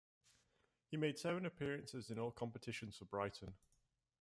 He made seven appearances in all competitions for Brighton.